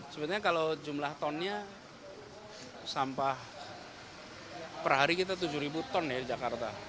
sebenarnya kalau jumlah tonnya sampah per hari kita tujuh ribu ton ya di jakarta